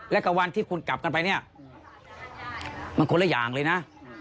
และกับวันที่คุณกลับกันไปเนี่ยมันคนละอย่างเลยนะ